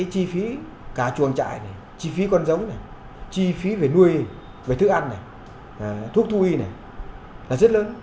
chi phí cả chuồng trại chi phí con giống chi phí về nuôi về thức ăn thuốc thu y là rất lớn